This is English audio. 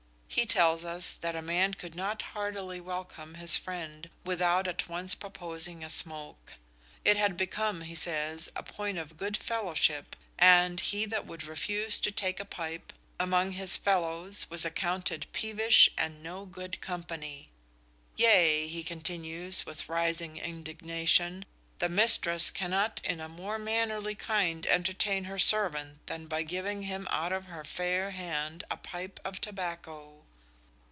He tells us that a man could not heartily welcome his friend without at once proposing a smoke. It had become, he says, a point of good fellowship, and he that would refuse to take a pipe among his fellows was accounted "peevish and no good company." "Yea," he continues, with rising indignation, "the mistress cannot in a more mannerly kind entertain her servant than by giving him out of her fair hand a pipe of tobacco."